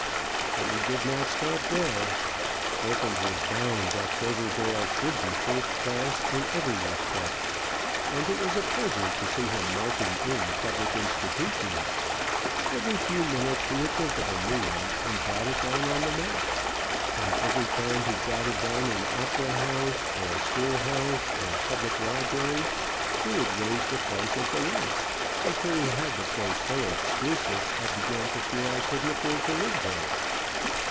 But we did not stop there. Perkins was bound that Cloverdale should be first class in every respect, and it was a pleasure to see him marking in public institutions. Every few minutes he would think of a new one and jot it down on the map; and every time he jotted down an opera house, or a school house, or a public library, he would raise the price of the lots, until we had the place so exclusive, I began to fear I couldn't afford to live there.